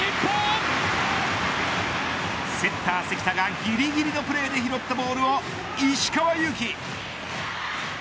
セッター関田がぎりぎりのプレーで拾ったボールを石川祐希。